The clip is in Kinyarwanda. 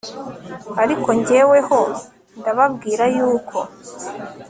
ariko jyeweho ndababwira yuko